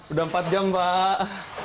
udah empat jam pak